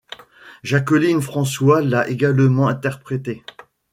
Jacqueline François l'a également interprétée.